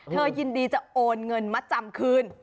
ยินดีจะโอนเงินมัดจำคืน